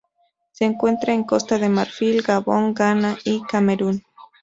Se encuentra en Costa de Marfil, Gabón, Ghana y Camerún.